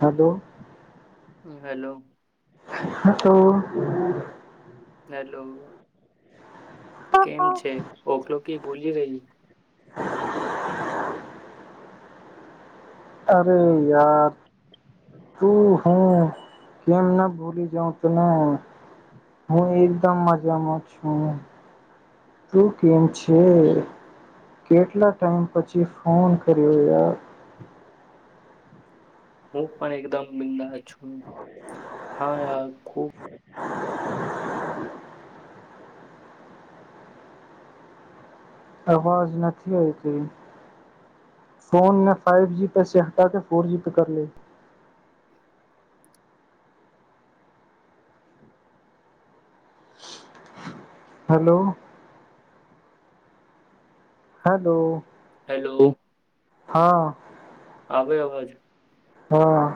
હા બોલ. હેલો. હા તો હેલો કેમ છે, ઓખલો ક ભોલી રહી [inaudible] અરે યાર તું હું કેમ ના ભૂલી જાઉં તોને હું એકદમ મજામાં છું તું કેમ છે, કેટલા ટાઈમ પછી ફોન કર્યો યાર હું પણ એકદમ બિંદ હા યાર થ [inaudible] આવાજ નથી આવીઈ તેઈ ફોનને ફઇવ જી પેસે હટા કે ફોર જી પે કર લે હેલો હાલો હેલો હા આવે અવાજ હા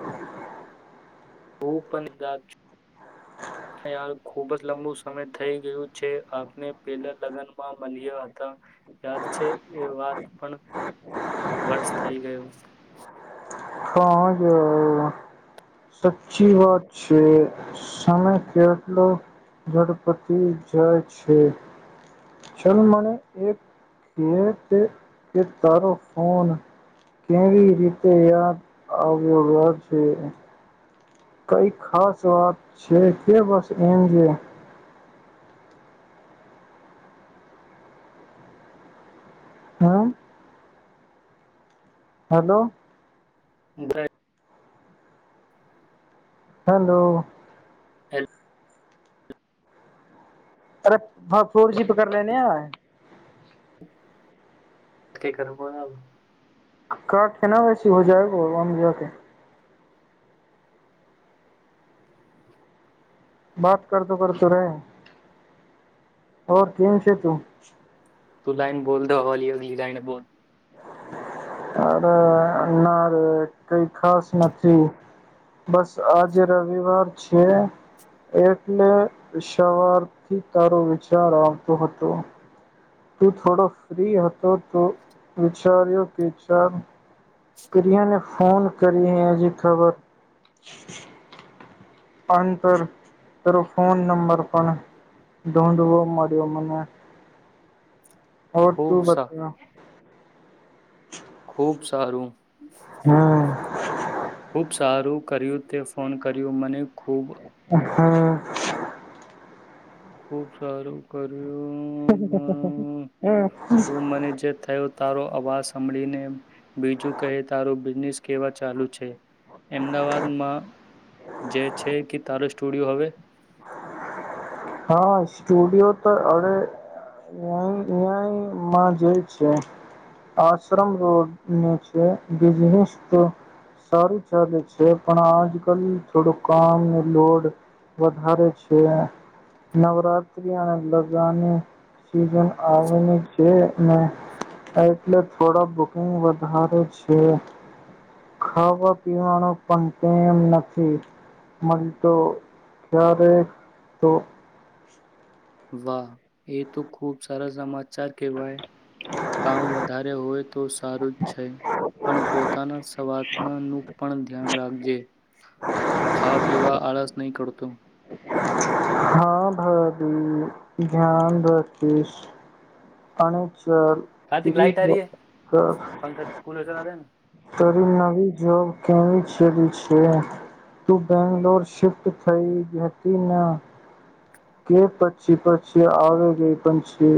હું પણ યાદ છું યાર ખૂબ જ લાંબુ સમય થઈ ગયું છે, આપને પેલા લગ્નમાં મળ્યા હતા યાદ છે, એ વાત પણ વર્ષ થઈ ગયો હા સાચી વાત છે, સમય કેટલો ધડપટી જાય છે, ચલ મને એક કે તે કે તારો ફોન કેવી રીતે યાદ આવ્યો છે. કઈ ખાસ વાત છે, કે બસ એમ છે. હમ હેલો અ હેલો હ અરે ફોરજી પક લેને આ કે કર કારાઠે ના વૈસી હો જાય ગ જા કે બાત કરતો કરતો રહ કેમ છે, તું તું લાઈન બોલ દો હોલી અગલી લાઈન બોલ અરે ના રે કઈ ખાસ નથી બસ આજે રવિવાર છે, એટલે સવારથી તારો વિચાર આવતો હતો તું થોડો ફ્રી હતો તો વિચાર્યો કે ચ પ્રિયાને ફોન કરી હજી ખબર અંતર ત ફોન નંબર પણ નોંધવો મળ્યો મને હો તું ખૂબ સા બતા ખુબ સારું હમ ખુબ સારું કર્યું તે ફોન કર્યું મને ખૂબ હા ખુબ સારું કર્યું પણ હું મને જે થયો તારો હ અવાજ સાંભળીને બીજું કહે તારું બિઝનેસ કેવા ચાલુ છે, અમદાવાદમાં જે છે, કે તારો સ્ટુડિયો હવે હા સ્ટુડિયો તો અડ અ અયાઈમાં જે છે, આશ્રમ રોડને છે, બિઝનેસ તો સારું ચાલે છે, પણ આજ કલ થોડું કામને લોડ વધારે છે. નવરાત્રી અને લગનની સિઝન આવેલી છે, ને એટલે થોડાુકંગ વધારે છે, ખાવા પીવાનો પણ તેમ નથી મળતો ક્યારે તો વાહ એ તો ખૂબ સારા સમાચાર ચાર કેવાય કામ વધારે હોય તો સારું જ છે. પણ પોતાના વાત નું પણ ધ્યાન રાખ ખાવા પીવા આળસ નહી, કરતોું હા, ભબી ધ્યાન રાખશ અને ચાલ કાર્તિક ત્રીસ લાાઈટ આ ર હ પંખા કુલર ચલા દે ને તરી નવી કેવી ચ છે, તું બેંગ્લોર શિફ્ટ થઈ હતી, કે પછી પછી આવી ગઈ પણ છે.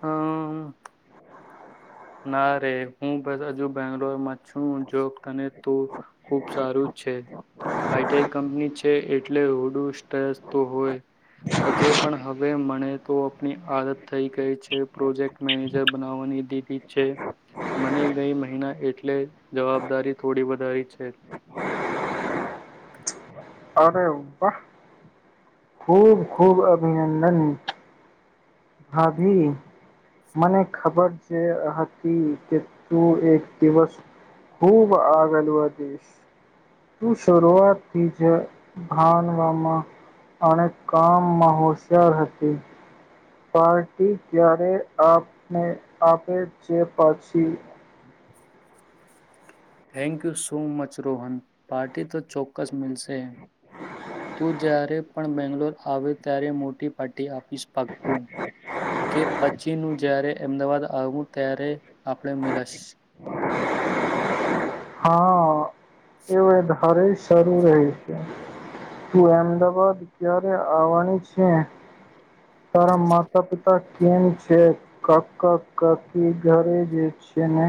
હા ના રે હું બસ હજુ બેંગ્લોર માં છું, જો તો ખૂબ સારું છે, આઈટીઆઈ કંપની છે, એ એટલે રડું સ્ટ્રેસ તો હોય હજે પણ હવ હવે મળણે તો આપણી આદત થઈ ગઈ છે, પ્રોજેક્ટ મેનેજર બનાવવાની દીદી છે. મને ગઈ મહિના એટલે જવાબદારી થોડી વધારી છે. અરે વાહ! ખૂબ ખૂબ અભિનંદન. ભાભી મને ખબર જે હતી કે, તું એક દિવસ ખૂબ આગળ વધીશ. તું શરૂઆતથી જ ભાનવામાં અને કામમાં હોશિયાર હતી. પાર્ટી ક્યારે? આપને આપે છે પછી. Thank you so much Rohan. Party તો ચોક્કસ માગે. તું જ્યારે પણ બેંગલોર આવે ત્યારે મોટી પાર્ટી આપીશ પાક્કું, કે પછી નું જ્યારે અમદાવાદ આવું ત્યારે આપણે મિલાસ હા. એવું એ હરેશ. જરૂર હ છે. તું અમદાવાાદ ક્યારે આવવાની છે? તારા માતા પિતા કેમ છે ક ક ક કી ઘરે જે છેને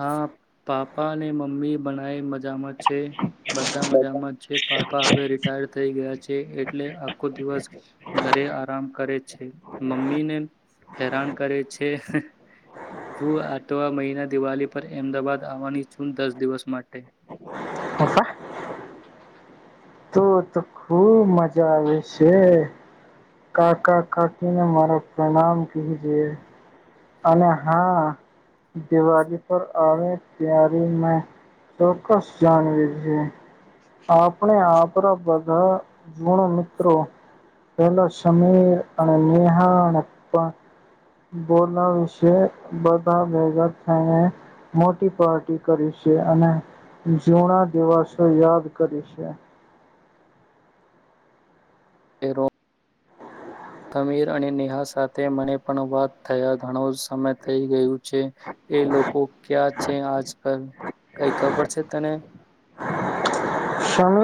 હા. પાપા મમ્મી બનાઈ મા મજ છે, બધા મજામ છે, પાપા હવે રિટાયર થઈ ગયા છે, એટલે આખો દિવસ ઘરે આરામ કરે છે, મમ્મીને હેરાન કરે છે. હું આટવા મહિના દિવાળી પર અમદાવાાદ આવવાની છૂન દસ દિવસ માટે. પપા તો તો ખુબ મજા આવે છે. કાકા કાકીને મારા પ્રણામ કે જે, અને હા દિવાળી પર આવે, ત્યારે મે ચોક્કસ જાણવી છે, આપણે આપણા બધા ગુણ મિત્રો પેલા સમીર અને નેહા પણ બોલાવિશ, બધા ભેગા થઈને મોટી પાર્ટી કરી છે અને જૂના દિવસો યાદ કરી છે. એરો સમીર અને નેહા સાથે મને પણ વાત થયા ઘણો સમય થઈ ગયું છે એ લોકો ક્યાં છે આજ કલ કઈ ખબર છે તને સમ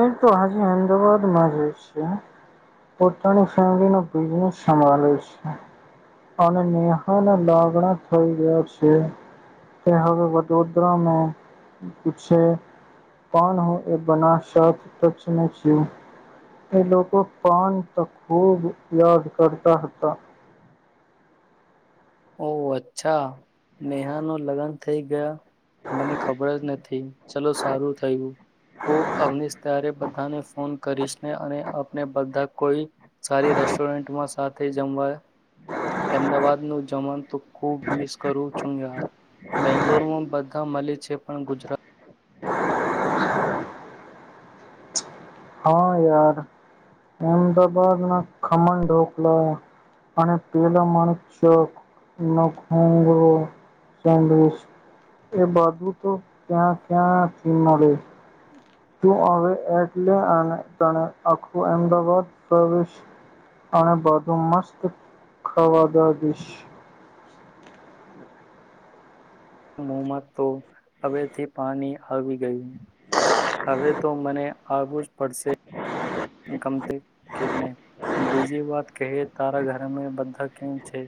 અમદાવાદમાં જ છે, પોતાની ફેમ બિઝનેસ છે અને નેહાના લાગણા થઈ ગયા છે, તે હવે વડોદરા પાન બ છ [unintelligible] એ લોકો પાન ખૂબ યાદ કરતા હતા ઓ અચ્છા નેહાનો લગ્ન થઇ ગયા મને ખબર જ નથી ચલો સારું થયું તો અનીશ ત્યારે બધાને ફોન કરીશને અને આપને બધા કોઈ સારી રેસ્ટોરન્ટમાં સાથે જમવા અમદાવાદ ખૂબ મિસ કરું છું ય બેંગ્લોરમાં બધા મલી છે પણ ગુજરાત હા યાર અમદાબાદ ના ખમણ ઢોકલા અને પેલા માણ ચકે એ બાજુ તો ત્યાં ક્યાંથી મળે તું હવે એટલે અને તને આખું અમદાવાદ પ્રવેશ અને બાધું મસ્ત ખાવા દ દશ આ મોમાં તો હવેથી પાણી આવી ગયું હવે તો મને આવુઝ પડશે ગમતી કે ન બીજી વાત કહે તારા ઘરમે બધા કેમ છે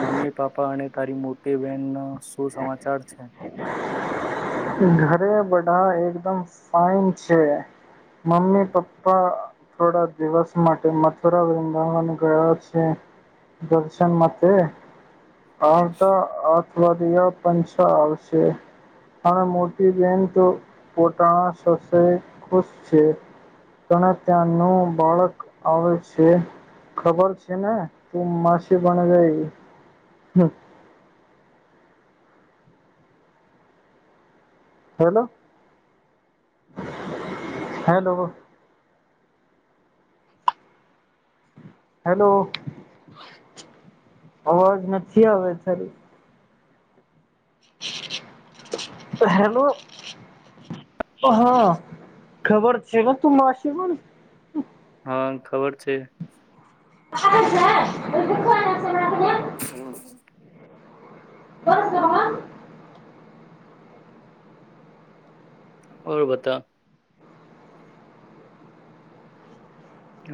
મમ્મી પાપા અને તારી મોટી બહેનના શું સમાચાર છે ઘરે બધા એકદમ ફાઇન છે મમ્મી પપ્પા થોડા દિવસ માટે મથુરા વૃંદાવન ગયા છે દર્શન માટે હ તો વધિયા પંછા આવશે અને મોટી બેહેન તો પોતાના સસરે ખુશ છે પણ ત્યાંનું બાળક આવે છે ખબર છે ને તું માસી પણ ગઈ હમ હેલો હેલો હેલો અવાજ નથી આવે તારી હેલો હા ખબર છે ને તું માસીમાંની હા ખબર છે. [unintelligible] હમ [unintelligible] ઓર બતા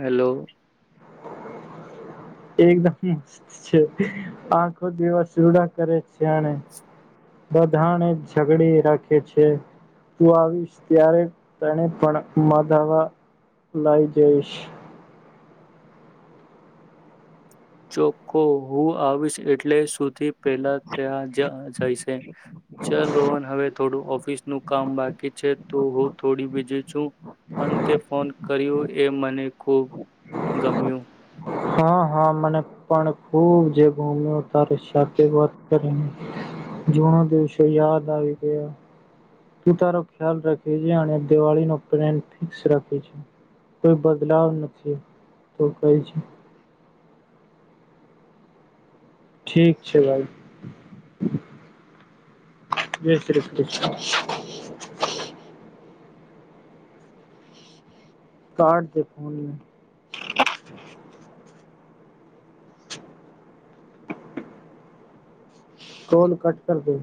હેલો એકદમ મસ્ત છે આખો દવાસૂડા કરે છે અને બધાને ઝઘડી રાખે છે તું આવીશ ત્યારે તને પણ મધાવા લઈ જઈશ ચોખ્ખો હું આવીશ એટલે સુધી પહેલા ત્યાં જાય છે ચાલ રોહન હવે થોડું ઓફિસનું કામ બાકી છે તો હું થોડી બીજી છું પણ તે ફોન કર્યું એ મને ખુબ ગમ્યું હા હા મને પણ ખૂબ જે ભૂમ્યો તારે સાથે વાત કરીને જનો દિવસ યાદ ગયા તું તારો ખ્યાલ રાખે છે અને દિવાળી ન પ્ન ફિકસ રાખે છે કોઈ બદલાવ નથી તો ક છે. ઠીક છે ભાઈ જય શ્રી કૃષ્ણ કર જે ફોન કોલ કટ કર દે